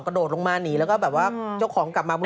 กระโดดลงมาหนีแล้วก็พี่เจ้าของกำลังนะ